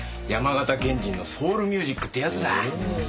山形県人のソウルミュージックってやつだ。